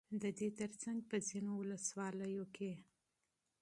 ددې ترڅنگ په ځينو ولسواليو كې